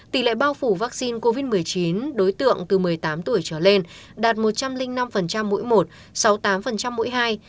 tỷ lệ bao phủ vaccine covid một mươi chín đối tượng từ một mươi tám tuổi trở lên đạt một trăm linh năm mũi một sáu mươi tám mũi hai